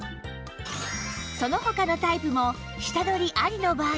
その他のタイプも下取りありの場合